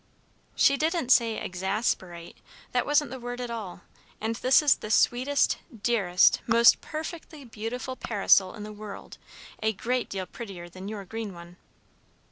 "She didn't say "exasperate." That wasn't the word at all; and this is the sweetest, dearest, most perfectly beautiful parasol in the world, a great deal prettier than your green one."